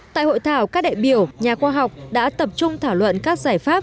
tại hội thảo các đại biểu nhà khoa học đã tập trung thảo luận các giải pháp